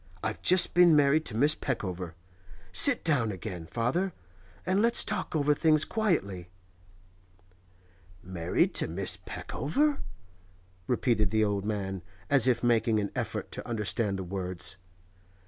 I've just been married to Miss Peckover. Sit down again, father, and let's talk over things quietly.' 'Married to Miss Peckover?' repeated the old man, as if making an effort to understand the words.